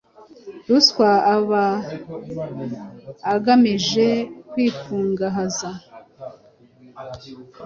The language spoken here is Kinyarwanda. ruswa aba agamije kwikungahaza,